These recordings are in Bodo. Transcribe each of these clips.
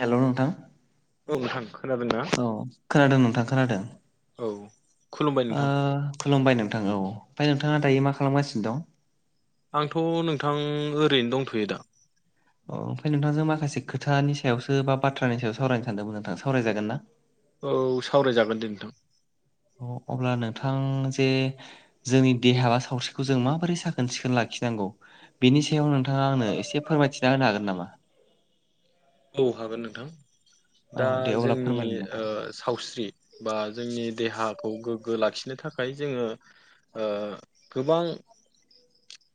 हेलौ नोंथां। औ नोंथां खोनादों ना? औ खोनादों नोंथां खोनादों। औ। खुलुमबाय ओ नोंथां खुलुमबाय नोंथां औ ओमफाय नोंथाङा दायो मा खालामगासिनो दं? आंथ' नोंथां ओरैनो दंथ'यो दा। औ ओमफाय नोंथांजों माखासे खोथानि सायावसो बा बाथ्रानि सायाव सावरायनो सानदोंमोन नोंथां सावरायजागोन ना? औ सावरायजागोन दे नोंथां। अब्ला नोंथां जे जोंनि देहा बा सावस्रिखौ जों माबोरै साखोन सिखोन लाखिनांगौ? बेनि सायाव नोंथाङा आंनो एसे फोरमायथिना होनो हागोन नामा? औ हागोन नोंथां औ दा दे अब्ला जोंनि फोरमायलाय ओ नोंथां सावस्रि बा जोंनि देहाखौ गोग्गो लाखिनो थाखाय जोङो ओ गोबां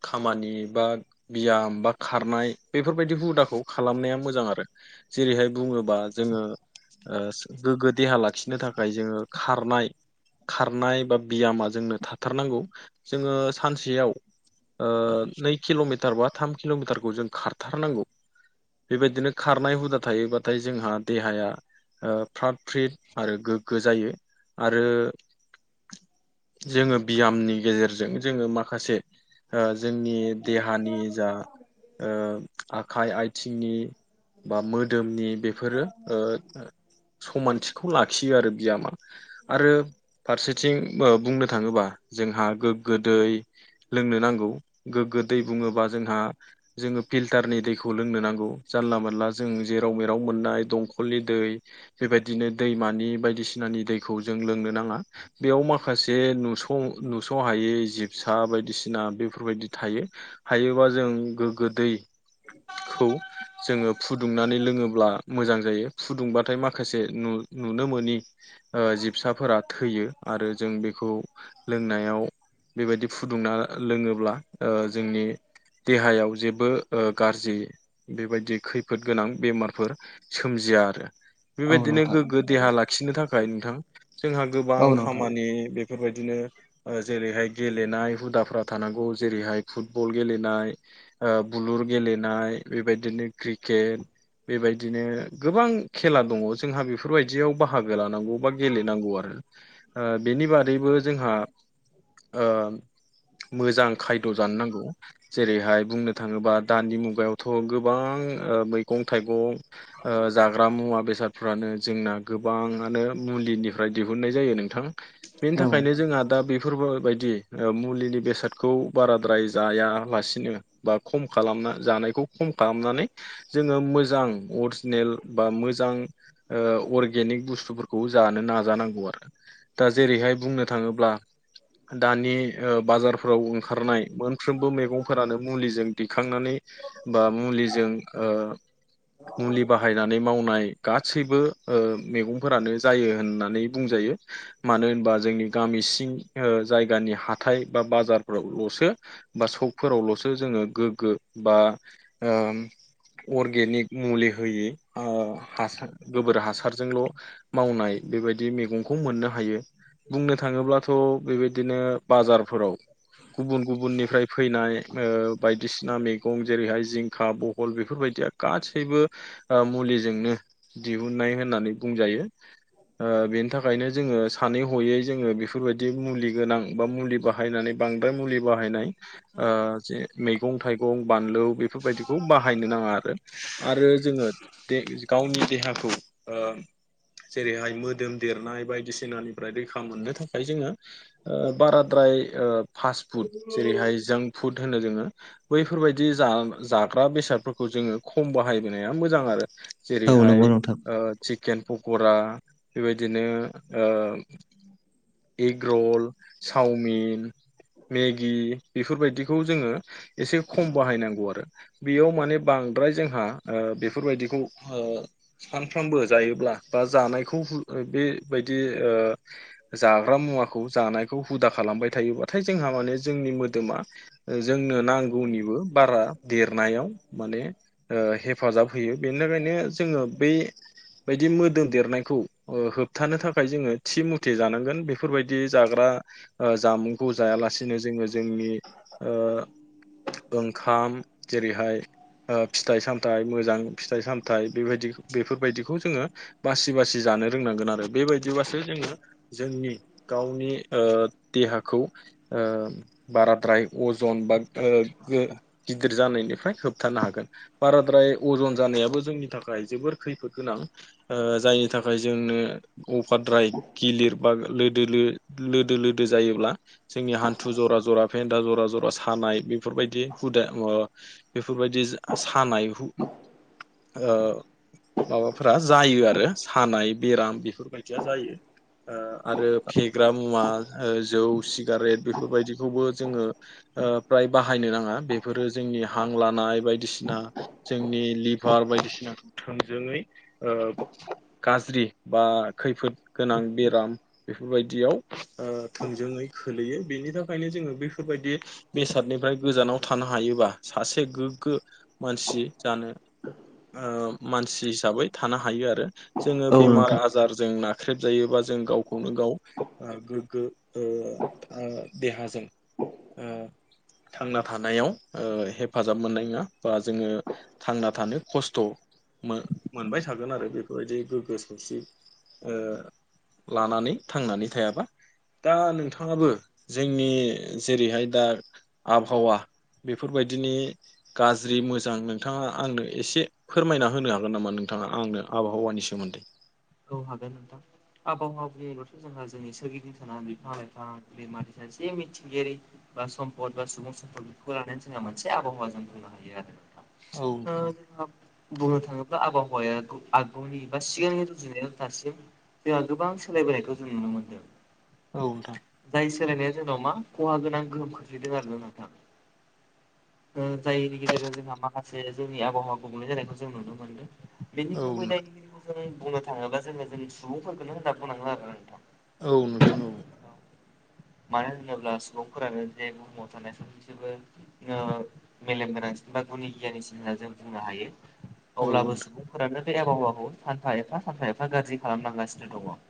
खामानि बा बियाम बा खारनाय बेफोरबायदि हुदाखौ खालामनाया मोजां आरो। जेरैहाय बुङोबा जोङो ओ गोग्गो देहा लाखिनो थाखाय जोङो खारनाय खारनाय बा बियामा जोंनो थाथारनांगौ जोङो सानसेयाव नै किल'मिटार बा थाम किल'मिटारखौ जों खारथारनांगौ बेबायदिनो खारनाय हुदा थायोबाथाय जोंहा देहाया ओ फ्रात फ्रिद आरो गोग्गो जायो आरो जोङो बियामनि गेजेरजों जोङो माखासे ओ जोंनि देहानि जा ओ आखाइ आथिंनि बा मोदोमनि बेफोरो ओ समानथिखौ लाखियो आरो बियामा। आरो फारसेथिं बुंनो थाङोबा जोंहा गोग्गो दै लोंनो नांगौ गोग्गो दै बुङोबा जोंहा जोङो फिल्टारनि दैखौ लोंनो नांगौ जानला मोनानला जों जेराव मेराव मोननाय दंखलनि दै बेबायदिनो दैमानि बायदिसिनानि दैखौ जों लोंनो नाङा बेयाव माखासे नुस नुस हायै जिबसा बायदिसिना बेफोरबायदि थायो। हायोबा जों गोग्गो दै खौ जोङो फुदुंनानै लोङो ब्ला मोजां जायो। फुदुंबाथाय माखासे नु-नुनो मोनि ओ जिबसाफोरा थैयो आरो जों बेखौ लोंनायाव बेबायदि फुदुंना लोङोब्ला जोंनि देहायाव जेबो गाज्रि बेबायदि खैफोद खैफोद गोनां बेमारफोर सोमजिया आरो औ बेबायदिनो नोंथां गोग्गो देहा लाखिनो थाखाय नोंथां जोंहा गोबां औ नोंथां खामानि बे बेफोरबायदिनो जेरैहाय गेलेनाय हुदाफ्रा थानांगौ जेरैहाय फुटबल गेलेनाय बुलुर गेलेनाय बेबायदिनो क्रिक क्रिकेट बेबायदिनो गोबां खेला दङ जोंहा बेफोर बेफोरबायायदियाव बाहागो लानांगौ बा गेलेनांगौ आरो बेनि बादैबो जोंहा मोजां खायद' जानो नांगौ जेरैहाय बुंनो थाङोबा दानि मुगायावथ' गोबां मैगं थाइगं जाग्रा मुवा बेसादफ्रानो जोंना गोबाङानो मुलिनिफ्राय दिहुननाय जायो नोंथां बेनि औ थाखायनो जोंहा दा बे बेफोरबायायदि मुलिनि बेसादखौ बाराद्राय जायालासिनो बा खम खालामना जानायखौ खम खालामनानै जोङो मोजां अरिजिनेल बा मोजां अर्गेनिक बुस्थुफोरखौ जानो नाजानांगौ आरो दा जेरैहाय बुंनो थाङोब्ला दानि बाजारफोराव ओंखारनाय मोनफ्रोमबो मैगंफोरानो मुलिजों दिखांनानै बा मुलिजों मुलि बाहायनानै मावनाय गासैबो मैगंफोरानो जायो होननानै बुंजायो मानो होनबा जोंनि गामि सिं जायगानि हाथाय बा बाजारफोरावल'सो बा सकफोरावल'सो जोङो गोग्गो बा अरगेनिक मुलि होयि हासार गोबोर हासारजोंल' मावनाय बेबायदि मैगंखौ मोननो हायो बुंनो थाङोब्लाथ' बेबायदिनो बाजारफोराव गुबुन गुबुननिफ्राय फैनाय बायदिसिना मैगं जेरैहाय जिंखा बहल बेफोरबायदिया गासैबो मुलिजोंनो दिहुननाय होननानै बुंजायो बेनि थाखायनो जोङो सानै हयै जोङो बेफोरबायदि मुलि गोनां बा मुलि बाहायनानै बांद्राय मुलि बाहायनाय जे मैगं थाइगं बानलु बेफोरबायदिखौ बाहाय बाहायनो नाङा आरो आरो जोङो गावनि देहाखौ जेरैहाय मोदोम देरनाय बायदिसिनानिफ्राय रैखा मोननो थाखाय जोङो बारा द्राय ओ फास्ट फुड जेरैहाय जांक फुड होनो जोङो बैफोरबायदि जाग्रा बेसाद फोर जोङो खम बाहायबोनाया मोजां आरो औ जेरैहाय नंगौ नोंथां चिकेन पकरा बेबायदिनो एग रल चावमिन मेगि बेफोरबायदिखौ जोङो एसे खम बाहायनांगौ आरो बेयाव माने बांद्राय जोंहा बेफोरबायदिखौ सानफ्रोमबो जायोब्ला बा जानायखौ बेबायदि जाग्रा मुवाखौ जानायखौ हुदा खालामबाय थायोबाथाय जोंहा माने जोंनि मोदोमा। जोंनो नांगौनिबो बारा देरनायाव। माने हेफाजाब होयो बेनि थाखायनो जोङो बै। बायदि मोदोम देरनायखौ ओ होबथानो थाखाय जोङो। थि मुथे जानांगोन बेफोरबायदि जाग्रा जामुंखौ जायालासिनो जोङो जोंनि ओंखाम जेरैहाय फिथाइ सामथाइ मोजां फिथाइ सामथाइ बेबायदि बेफोरबायदिखौ जोङो बासि बासि जानो रोंनांगोन आरो बेबायदिबासो जोङो जोंनि गावनि देहाखौ ओ बाराद्राय अजन बा गिदिर जानायनिफ्राय होब हिथानो हागोन बाराद्राय अजन जानायाबो जोंनि थाखाय जोबोर खैफोद गोनां। ओ जायनि थाखाय जोंनो। अफाद्राय गिलिर बा लद लदो जायोब्ला। जोंनि हान्थु जरा जरा फेन्दा जरा जरा सानाय बेफोरबायदि हुदा। बेफोरबायदि सानाय माबाफोरा जायो आरो सानाय बेराम बेफोरबायदिया जायो आरो फेग्रा मुवा जौ सिगारेट बेफोरबायदिखौबो जोङो। फ्राय बाहायनो नाङा बेफोरो जोंनि हां लानाय बायदिसिना जोंनि लिभार बायदिसिनाखौ थोंजोङै। गाज्रि बा खैफोद गोनां बेराम। बेफोर बायदियाव थोंजोङै खोलैयो बेनि थाखायनो जोङो बेफोर बायदि बेसादनिफ्राय गोजानाव थानो हायोबा सासे गोग्गो मानसि जानो। मानसि हिसाबै थानो हायो आरो जोङो औ बेमार नोंथां आजारजों न ाख्रेब जायोबा जों गावखौनो गाव गोग्गो देहाजों अ थांना थानायाव। हेफाजाब मोननाय नङा बा जोङो थांना थानो खस्थ'। मोनबाय थागोन आरो बेफोरबायदि गोग्गो सौसि। लानानै थांनानै थायाबा। दा नोंथाङाबो जोंनि जेरैहाय दा आबहावा बेफोरबायदिनि गाज्रि मोजां नोंथाङा आंनो एसे फोरमायना होनो हागोन नामा नोंथाङा आंनो आबहावानि सोमोन्दै। औ हागोन नोंथां। आबहावानि उनावथ' जोंहा जोंनि सोरगिदिं साना बिफां लाइफां दैमारि सानसे मिथिंगायारि। बा सम्पद बा सुबुं सम्फद बेफोरखौ लानानै जोंहा मोनसे आबहावा जों बुंनो हायो आरो नोंथां। औ जों बुंनो थाङोब्ला आबहावाया आगुनि बा सिगांनि। सुजुनायाव दासिम जोंहा गोबां सोलायबोनायखौ जों नुनो मोन्दों औ नोंथां। जाय सोलायनाया जोंनाव मा खहा गोनां गोहोम खोख्लैदों आरो ना नोंथाङा। जायनि गेजेरजों जोंहा माखासे जोंनि आबहावा गुबुंलै जानायखौ जों नुनो मोनदों। बेनि औ गुबै नोंथां। दायनिगिरिखौ जों बुंनो थाङोब्ला जोङो जों सुबुंफोरखौोननो हो दाबबोनाङो आरो नोंथां। औ नोंथां औ। मानो होनोब्ला सुबुंफोरानो जे बुहुमाव थानाय समजोबो मेलेमगोनांसिन बा गुनि गियानिसिन होनना जों बुंनो हायो। औ अब्लाबो सुबुंफोरानो। बे आबहावाखौ सानफा एफा सानफा एफा गाज्रि खालामनांगासिनो दङ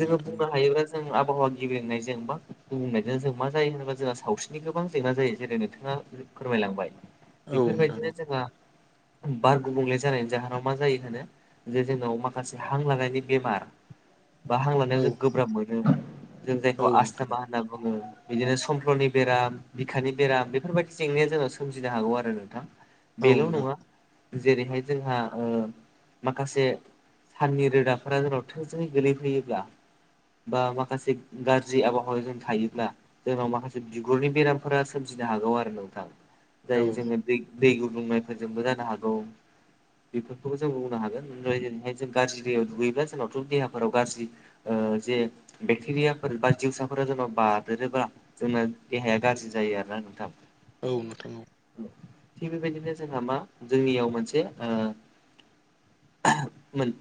जोङो बुं हायोब्ला जों आवहावा गेब्रेंनायजों जेनबा गुबुंनायजों जों मा जायो होनोबा। जोंहा सावस्रिनि गोबां जेंना जायो जेरै नोंथाङा फोरमायलांबाय। औ बेफोरबायदिनो नोंथां जोंहा बार गुबुंले जानायनि जाहोनाव मा जायो होनो जे जोंनाव माखासे हां लानायनि बेमार बा हां लानायाव जों गोब्राब मोनो जों औ जायखौ नोंथां आसस्थमा होनना बुङो। बिदिनो समफ्ल'नि बेराम, बिखानि बेराम बेफोरबायदि जेंनाया जोंना सोमजिनो हागौ आरो नोंथां। औ बेल' नङा जेरैहाय जोंहा ओ माखासे साननि रोदाफोरा जोंनाव थोजोङै गोलैफैयोब्ला बा माखासे गा जि आबहावायाव जों थायोब्ला जोंनाव माखासे बिगुरनि बेरामफोरा सोमजिनो हागौ आरो नोंथां। जायो औ जोङो दै दै गुदुंनायफोरजोंबो जानो हागौ। बेफोरखौ जों बुंनो हागोन ओमफ्राय जेरैहाय जों गाज्रि दैायाव दुगैब्ला जोंनावथ' देहाफोराव गाज्रि। ओ जे बक्टेरिया जिउसाफोरा जोंनाव बारादेरोब्ला जोंना देहाया गाज्रि जायो आरोना नोंथां। औ नोंथां औ। थिग बेबायदिनो जोंहा मा जोंनियाव मोनसे ओ [unintelligible] मोन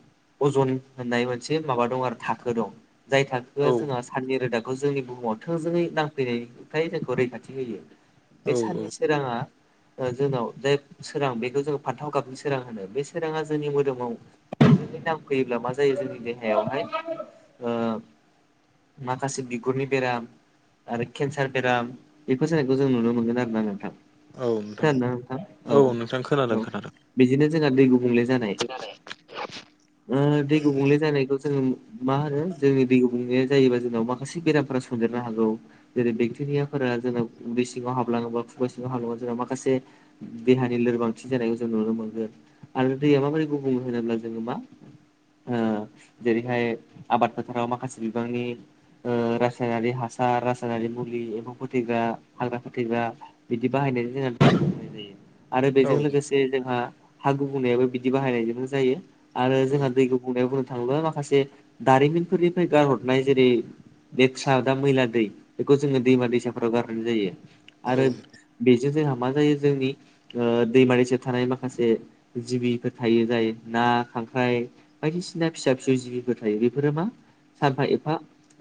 अजन होननाय मोनसे माबा दं आरो थाखो दं जाय औ नोंथां औ जोंहा साननि रोदाखौ जोंनि बुहुमाव थोंजोङै नांफैनायनिफ्राय जोंखौ रैखाथि होयो। बे औ साननि सोराङा जोंनाव जाय सोरां बेखौ जोङो फानथाव गाबनि सोरां होनो बे सोराङा जोंनि मोदोमाव जोंनि नांफैयोब्ला मा जायो जोंनि देहायावहाय माखासे बिगुरनि बेराम आरो केन्सार बेराम, बेखौ जानायखौ जों नुनो मोनगोन आरो ना नोंथां। औ नोंथां खोनादोंना नोंथां? नोंथां खोनादों औ औ खोनादों बिदिनो जोंहा दै गुबुंले जानाय। [unintelligible] ओम दै गुबुंले जानायखौ जोङो मा होनो जोंनि दै गुबुंले जायोबा जोंनाव माखासे बेरामफोरा सनदेरनो हागौ। जेरै बेक्टेरियाफोरा जोङो उदै सिङाव हाबलाङोबा खुगा सिङाव हाबलाङा जोंहा माखासे देहानि लोरबांथि जानायखौ जों नुनो मोनगोन। आरो दैया माबोरै गुबुं होनोब्ला जोङो मा ओ जेरैहाय आबाद फोथाराव माखासे बिबांनि ओ रासायनारि हासार, रासायनारि मुलि, एम्फौ फोथैग्रा, हाग्रा फोथैग्रा बिदि बाहायनाय [unintelligible] जोंनाय जायो। आरो औ बेजों लोगोसे जोंहा हा गुबुंनायाबो बिदि बाहायनायजोंनो जायो। आरो औ जोंहा दैखौ गुबुंनायाव बुंनो थाङोब्ला माखासे दारिमिनफोरनिफ्राय गारहर [unintelligible] जेरै लेखसा दा मैला दै बेखौ जोङो दैमा दैसाफोराव गारनाय जायो। औ आरो बेजों जोंहा मा जायो जोंनि दैमानि सायाव थानाय माखासे जिबिफोर थायो जायो ना, खांख्राइ बायदिसिना फिसा -फिसौ जिबिफोर थायो बेफोरो मा सानफा- एफा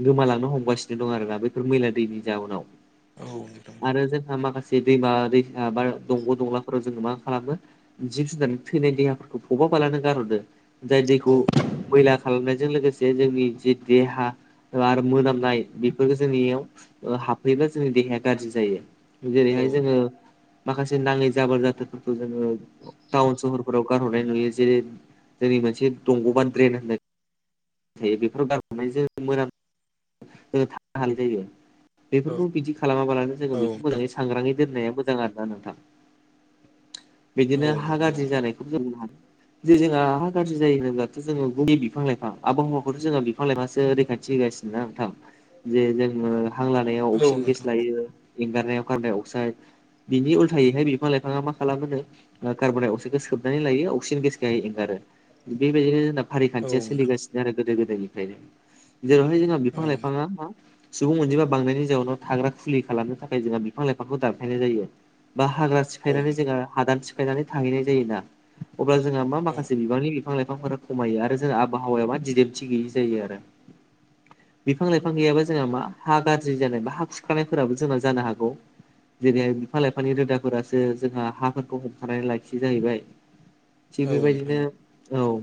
गोमालांनो हमगासिनो दं आरोना बेफोर मैला दैनि जाहोनाव। नोंथां आरो जोंहा माखासे दैमा दै बा दंग' दंलाफोराव जोङो मा खालामो जिब -जुनार थैनाय देहाफोरखौ फबाबालानो गारहरो। जाय दैखौ औ मैला खालामनायजों लोगोसे जोंनि जि देहा आरो मोनामनाय बेफोरफोरखौ जोंनियाव हाबफैबा जोंनि देहाया गाज्रि जायो। जेरैहाय औ जोङो माखासे नाङै जाबोर जाथोरफोरखौ जोङो टाउन सहरफोराव गारहरनाय नुयो। जेरै जोंनि मोनसे दंग' बा ड्रेन होननाय थायो बेफोराव [unintelligible] बेफोरखौ बिदि खालामाबालानो जोङो औ बेखौ औ मोजाङै [unintelligible] सांग्राङै दोननाया मोजां आरोना नोंथां। औ बिदिनो हा नोंथां औ गाज्रि जानायखौ जों बुंनो [unintelligible] जे जोंहा हा गाज्रि जायो होनोब्लाथ' जोङो [inaudible] बिफां लाइफां आबहावाखौथ' जोंहा बि बिफां लायफाङासो रैखाथि होगासिनोना नोंथां जे जोङो हां लानायाव औ अक्सिजेन गेस नोंथां लायो। एंगारनायाव कारबण्डाइ अक्साइद बिनि उल्थायैहाय बिफां लाइफाङा मा खालामोनो कार्बनडाइ अक्साइडखौ सोबनानै लायो अक्सिजेन गेसखौहाय एंगारो बेबायदिनो ज औ फारिखान्थिया नोंथां सोलिगासिनो आरो गोदो गोदायनिफ्रायनो जेरावहाय जोंहा बिफां औ लाइफाङा मा सुबुं अनजिमा बांनायनि जाउनाव थाग्रा खुलि खालामनो थाखाय जोंहा बिफां लाइफांखौ दानफायनाय जायो। बा हाग्रा औ सिफायनानै जोङो हादान सिफायनानै थाहैनाय जायो ना अब्ला जोंहा मा औ माखासे बिबांनि बिफां- लाइफांफोरा खमायो आरो जों आबहावायाव मा दिदमथि गैयि जायो आरो। बिफां -लाइफां गैयाबा जोंहा मा हा गाज्रि जानाय बा हा खुरखानायफोराबो जोंना जानो हागौ। जेरैहाय बिफां- लाइफांनि रोदाफोरासो जोंहा हाफोरखौ हमथानानै लाखियो जाहैबाय। थिग औ नोंथां बेबायदिनो औ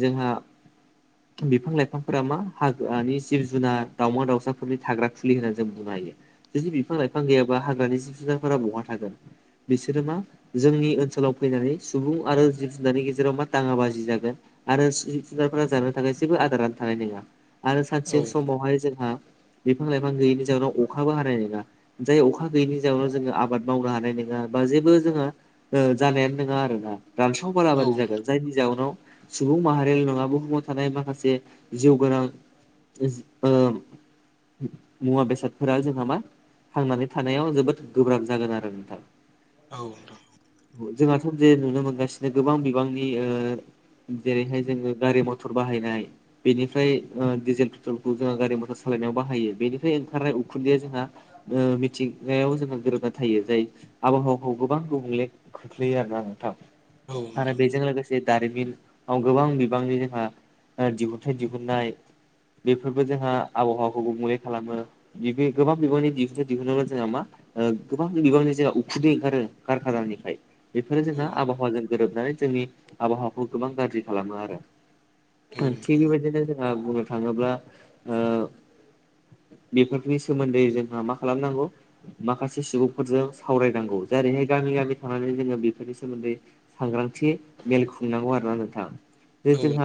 जोंहा बिफां -लाइफां बिफांफोरा मा हाग्रानि जिब -जुनार, दावउमा- दाउसाफोरनि थाग्रा खुलि होननानै जों बुंनो हायो। जुदि बिफां- लाइफां गैयाबा हाग्रानि जिब- जुनारफोरा बहा थागोन बिसोरो मा जोंनि ओनसोलाव फैनानै सुबुं आरो जिब -जुनारनि गेजेराव मा दाङा बाजि जागोन। आरो जुनारफोरा जानो थाखाय जेबो आदारानो थानाय नङा आरो औ नोंथां सानसे औ समावहाय जोंहा बिफां लाइफां गैयिनि जाहोनाव अखाबो हानाय नोङा जाय अखा गैयिनि जउनाव जोङो आबाद मावनो हानाय नोङा बा जेबो जोंहा ओ जानायानो नोंङा आरो ना दानसाव नोंथां बालाबारि जागोन जायनि जाहोनाव सुबुं माहारियारि नङा बुहुमाव थानाय माखासे जिउ गोनां ओ मुवा बेसादफोरा जोंहा मा थांनानै थानायाव जोबोद गोब्राब जागोन आरो नोंथां। औ जोंहाथ' जे नुनो मोनगासिनो गोबां बिबांनि ओ जेरैहाय जोङो गारि मथर बाहायनाय बेनिफ्राय ओ डिजेल पेट्रलखौ जोंहा गारि मटर सालायनायाव बाहायो बेनिफ्राय ओंखारनाय उखुन्दैया जोंहा ओ मिथिंगायाव जोङो गोरोबना थायो जाय आबहावाखौ गोबां गुबुंले खोख्लैयो आरोना नोंथां। नोंथां औ आरो नोंथां बेजों लोगोसे दारिमिनाव गोबां बिबांनि जोंहा दिहुन थाय दिहुननाय बेफोरबो जोंहा आबहावाखौ गुबुंले खालामो। बि गोबां बिबनि दिहुनथाय दिहुननायावबो जोंहा मा ओ गोबां बिबांनि जाय उखुदै ओंखारो खारखानानिफ्राय बेफोरो औ जोंना आबहावाजों गोरोबनानै जोंनि आबहावाखौ गोबां गाज्रि खालामो आरो। उम थिग बेबायदिनो जोंहा बुंनो थाङोब्ला बेफोरनि सोमोन्दै जोंहा मा खालामनांगौ माखासे सुबुंफोरजों सावरायनांगौ जेरैहाय गामि गामि थांनानै जोङो बेफोरनि सोमोन्दै सांग्रांथि मेल खुंनांगौ आरोना नोंथां। औ जोंहा